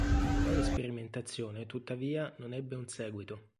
Tale sperimentazione tuttavia non ebbe un seguito.